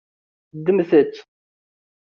Ddmet-tt.